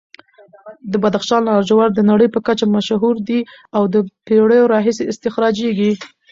د بدخشان لاجورد د نړۍ په کچه مشهور دي او د پېړیو راهیسې استخراجېږي.